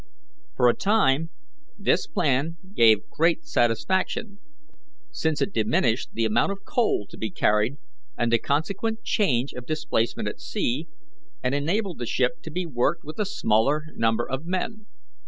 For a time this plan gave great satisfaction, since it diminished the amount of coal to be carried and the consequent change of displacement at sea, and enabled the ship to be worked with a smaller number of men.